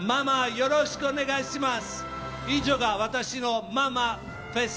よろしくお願いします。